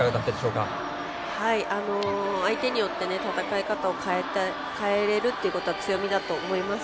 相手によって戦い方を変えられるっていうことは強みだと思います。